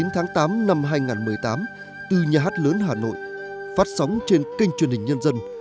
một mươi tháng tám năm hai nghìn một mươi tám từ nhà hát lớn hà nội phát sóng trên kênh truyền hình nhân dân